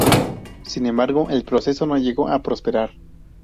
Sin embargo, el proceso no llegó a prosperar.